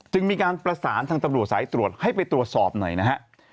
มีการประสานทางตำรวจสายตรวจให้ไปตรวจสอบหน่อยนะฮะ